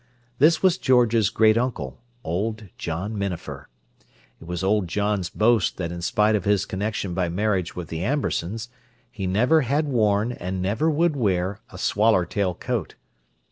This was George's great uncle, old John Minafer: it was old John's boast that in spite of his connection by marriage with the Ambersons, he never had worn and never would wear a swaller tail coat.